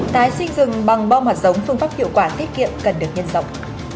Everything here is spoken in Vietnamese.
tái sinh dừng bằng bom hoạt giống phương pháp hiệu quả thiết kiệm cần được nhân dọng